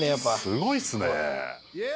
すごいっすね。